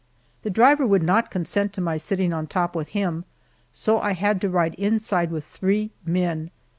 The driver would not consent to my sitting on top with him, so I had to ride inside with three men.